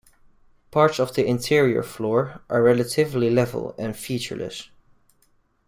Parts of the interior floor are relatively level and featureless.